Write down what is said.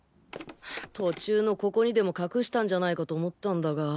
途中のここにでも隠したんじゃないかと思ったんだが。